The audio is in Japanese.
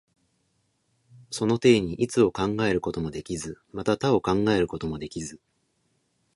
その底に一を考えることもできず、また多を考えることもできず、